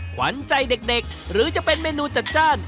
ขวัญใจเด็กหรือจะเป็นเมนูจัดจ้าน